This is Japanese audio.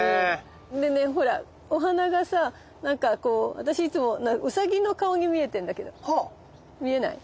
でねほらお花がさなんかこう私いつもウサギの顔に見えてんだけど見えない？